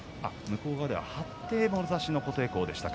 向こう側では張ってもろ差しの琴恵光でした。